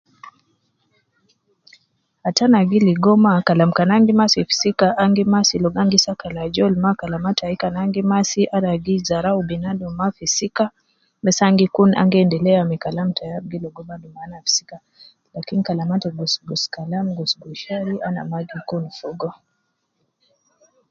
Ata ana gi ligo ma kalam kan ana gi masi fi sika, ana gi masi ligo ana gi sakala ajol ma, kalama tai kan ana gi masi ana gi zarau binadum ma fi sika, bes ana gi kun ana gi endelea me kalam tai al gi logo badu mana fi sika, lakin kalama te gus gus, kalam gug gus shari ana ma gi kun fogo